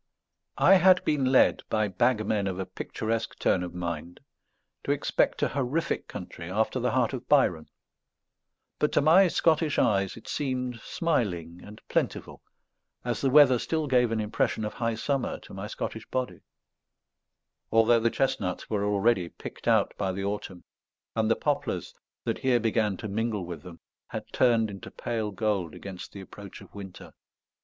I had been led, by bagmen of a picturesque turn of mind, to expect a horrific country after the heart of Byron; but to my Scottish eyes it seemed smiling and plentiful, as the weather still gave an impression of high summer to my Scottish body; although the chestnuts were already picked out by the autumn, and the poplars, that here began to mingle with them, had turned into pale gold against the approach of winter.